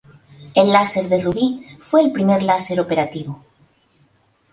El láser de rubí fue el primer láser operativo.